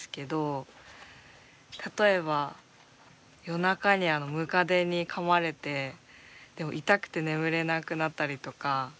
例えば夜中にムカデにかまれて痛くて眠れなくなったりとか。